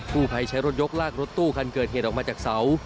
ผู้ภัยใช้รถยกลากรถตู้คันเกิดเหตุออกมาจากเสา